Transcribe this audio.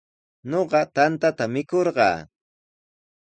Ñuqa tantata mikurqaa.